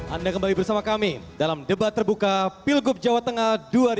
anda kembali bersama kami dalam debat terbuka pilgub jawa tengah dua ribu delapan belas